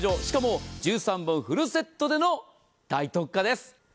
しかも１３本フルセットでの大特価です！